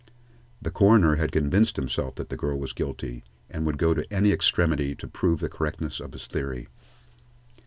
The coroner had convinced himself that the girl was guilty, and would go to any extremity to prove the correctness of his theory.